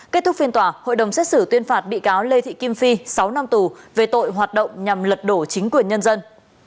kết thúc phiên tòa hội đồng xét xử tuyên phạt bị cáo lê thị kim phi sáu năm tù về tội hoạt động nhằm lật đổ chính quyền nhân dân